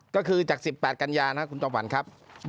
ก็คือจาก๑๘กันยานะครับคุณจอมฝันครับ